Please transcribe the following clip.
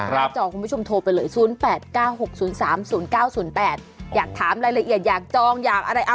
หน้าจอคุณผู้ชมโทรไปเลย๐๘๙๖๐๓๐๙๐๘อยากถามรายละเอียดอยากจองอยากอะไร